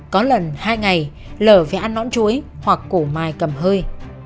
có lần hai ngày lở phải ăn nõn chuối hoặc củ mai cầm hơi